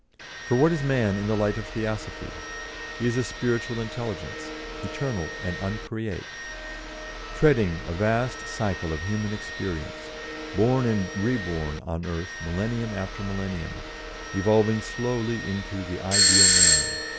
For what is man in the light of Theosophy? He is a spiritual intelligence, eternal and uncreate, treading a vast cycle of human experience, born and reborn on earth millennium after millennium, evolving slowly into the ideal man.